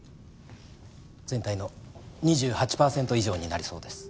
全体の２８パーセント以上になりそうです。